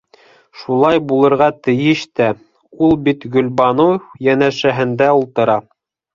Шулай булырға тейеш тә: ул бит Гөлбаныу йәнәшәһендә ултыра!